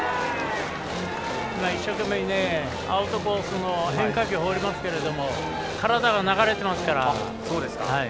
一生懸命にアウトコースの変化球を放りますが体が流れてますから。